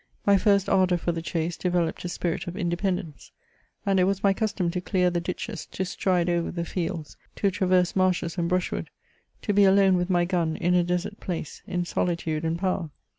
My first ardour for the chase developed a spirit of indepemlence ; and it was my custom to dear the ditches, to stride over the fields, to traverse marshes and brushwood — to be alone with my gun in a desert place — in solitude and power.